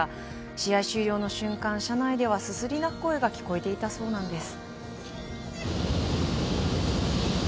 試合終了後、車内ではすすり泣く声が聞こえたそうです。